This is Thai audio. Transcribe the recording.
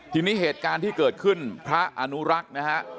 ทีนี้เหตุการณ์ที่เกิดขึ้นพระอนุรักษ์นะฮะ